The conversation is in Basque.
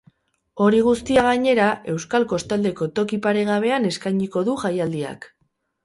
Hori guztia, gainera, euskal kostaldeko toki paregabean eskainiko du jaialdiak.